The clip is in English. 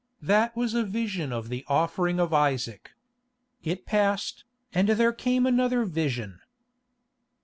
That was a vision of the offering of Isaac. It passed, and there came another vision.